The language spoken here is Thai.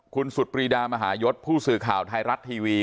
คุณสุดปรีดามหายศผู้สื่อข่าวไทยรัฐทีวี